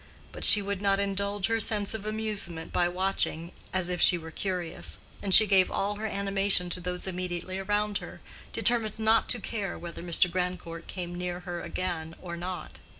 But she would not indulge her sense of amusement by watching, as if she were curious, and she gave all her animation to those immediately around her, determined not to care whether Mr. Grandcourt came near her again or not.